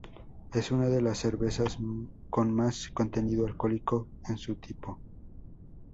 Es una de las cervezas con más contenido alcohólico en su tipo.